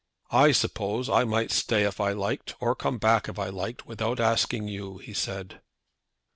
"I suppose I might stay if I liked, or come back if I liked, without asking you," he said.